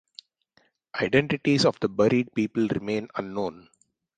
Identities of the buried people remain unknown.